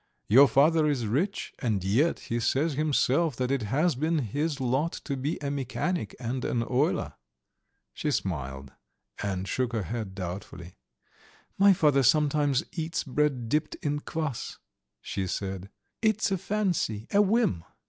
Your father is rich, and yet he says himself that it has been his lot to be a mechanic and an oiler." She smiled and shook her head doubtfully: "My father sometimes eats bread dipped in kvass," she said. "It's a fancy, a whim!"